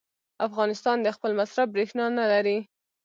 افغانستان د خپل مصرف برېښنا نه لري.